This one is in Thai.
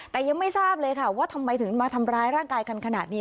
แต่ยังไม่ทราบเลยค่ะว่าทำไมถึงมาทำร้ายร่างกายกันขนาดนี้